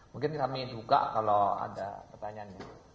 mungkin kami duka kalau ada pertanyaan